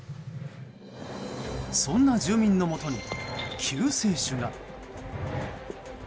そんな住民のもとに救世主が。